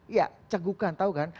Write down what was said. iya cegukan tau kan